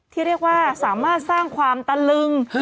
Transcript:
ที่เรียกว่าสามารถสร้างความตะลึง